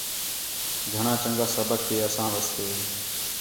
گھݨاں چَنڳا سبق ہِے اَساں واسطے